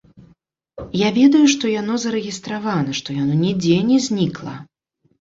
Я ведаю, што яно зарэгістравана, што яно нідзе не знікла.